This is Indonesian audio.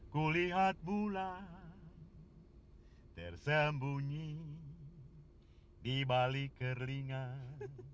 kulihat bulan tersembunyi dibalik keringat